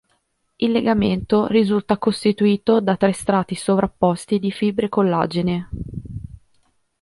Il legamento risulta costituito da tre strati sovrapposti di fibre collagene.